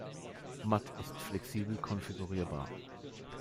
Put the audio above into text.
Mutt ist flexibel konfigurierbar.